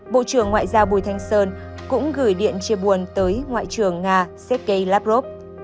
bộ trưởng ngoại giao bùi thanh sơn cũng gửi điện chia buồn tới ngoại trưởng nga sergei lavrov